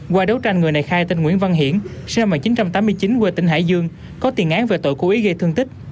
qua đấu tranh người này khai tên nguyễn văn hiển sinh năm một nghìn chín trăm tám mươi chín quê tỉnh hải dương có tiền án về tội cố ý gây thương tích